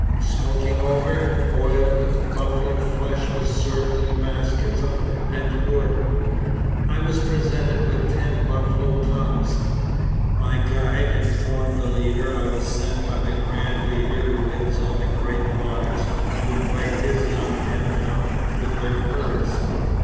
Smoking over, boiled buffalo flesh was served in baskets of bent wood. I was presented with ten buffalo tongues. My guide informed the leader I was sent by the grand leader who lives on the Great Waters to invite his young men down with their furs.